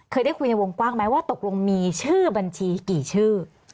เคยได้คุยในวงกว้างไหมว่าตกลงมีชื่อบัญชีกี่ชื่อ